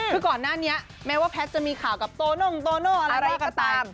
คือก่อนหน้าเนี่ยแม้ว่าแพทย์จะมีข่าวกับตัวโหนงตัวโหนงอะไรว่ากันไป